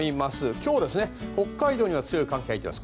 今日、北海道には強い寒気が入っています。